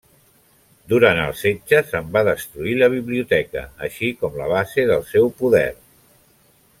Durant el setge se'n va destruir la biblioteca, així com la base del seu poder.